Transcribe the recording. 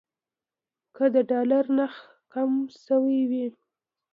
که د ډالر نرخ کم شوی وي.